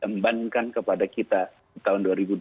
tembakan kepada kita di tahun dua ribu dua puluh dua ribu dua puluh satu